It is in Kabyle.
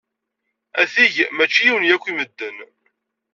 Atig macci yiwen yak i medden.